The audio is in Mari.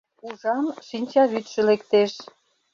Ужам: шинчавӱдшӧ лектеш.